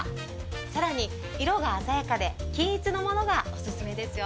更に色が鮮やかで均一なものがおすすめですよ。